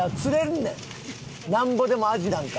なんぼでもアジなんか。